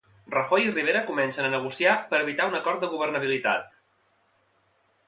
Rajoy i Rivera comencen a negociar per evitar un acord de governabilitat.